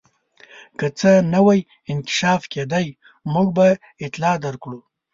که څه نوی انکشاف کېدی موږ به اطلاع درکړو.